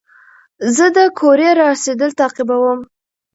زه د کوریر رارسېدل تعقیبوم.